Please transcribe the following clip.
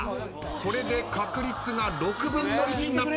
これで確率が６分の１になった。